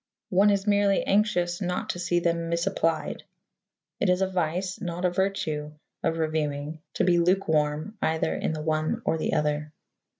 One is merely anxious not to see them misapplied. It is a vice, not a virtue, of reviewing to be lukewarm either in the one or the other.